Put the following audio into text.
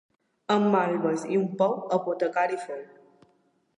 Amb malves i un pou apotecari fou.